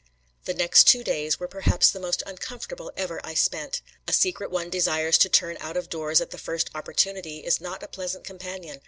The next two days were perhaps the most uncomfortable ever I spent. A secret one desires to turn out of doors at the first opportunity, is not a pleasant companion.